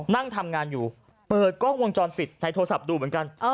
นั่งทำงานอยู่เปิดกล้องวงจรปิดในโทรศัพท์ดูเหมือนกัน